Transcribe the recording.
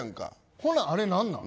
ほな、あれ何なん？